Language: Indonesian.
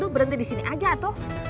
berhenti di sini aja tuh